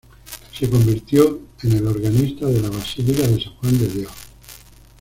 Se convirtió en el organista de la Basílica de San Juan de Dios.